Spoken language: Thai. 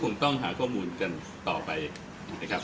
คงต้องหาข้อมูลกันต่อไปนะครับ